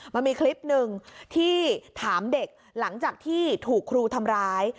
มันมีคลิปหนึ่งที่ถามเด็กหลังจากที่ถูกครูทำร้าย